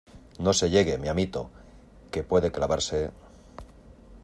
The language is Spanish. no se llegue, mi amito , que puede clavarse...